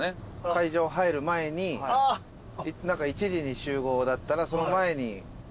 会場入る前に１時に集合だったらその前にちょっとみんなで。